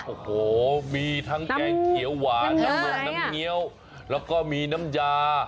โอ้โหมีทั้งแกงเขียวหวานน้ำนมน้ำเงี้ยวแล้วก็มีน้ำยา